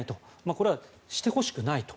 これはしてほしくないと。